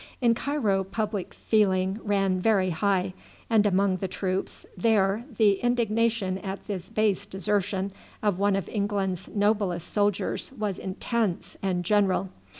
In Cairo public feeling ran very high, and among the troops there the indignation at this base desertion of one of England's noblest soldiers was intense and general.